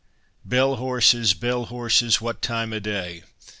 'Bell horses, bell horses, what time o' day?